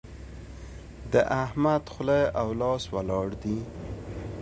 د احمد خوله او لاس ولاړ دي.